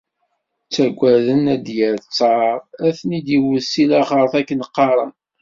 Ttaggaden ad d-yerr ttar, ad ten-id-iwwet si laxart akken qqaren.